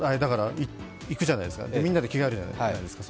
行くじゃないですかみんなで着替えるじゃないですか